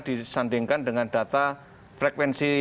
disandingkan dengan data frekuensi